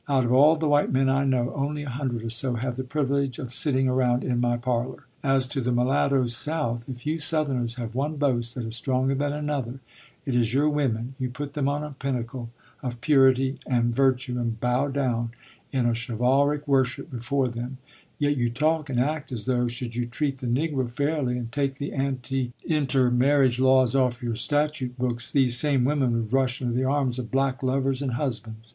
Out of all the white men I know, only a hundred or so have the privilege of sitting around in my parlor. As to the mulatto South, if you Southerners have one boast that is stronger than another, it is your women; you put them on a pinnacle of purity and virtue and bow down in a chivalric worship before them; yet you talk and act as though, should you treat the Negro fairly and take the anti inter marriage laws off your statute books, these same women would rush into the arms of black lovers and husbands.